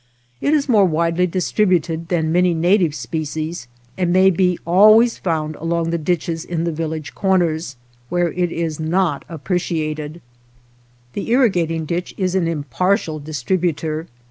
It is more widely distributed than many native species, and may be always found along the ditches in the village corners, where it is not appre 230 OTHER WATER BORDERS ciated. The irrigating ditch is an impartial distributer.